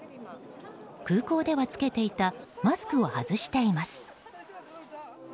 空港では着けていたマスクを外しています。